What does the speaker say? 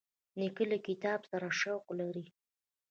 نیکه له کتاب سره شوق لري.